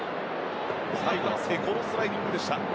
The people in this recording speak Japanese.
最後は瀬古のスライディングでした。